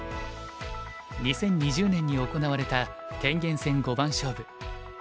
２０２０年に行われた天元戦五番勝負。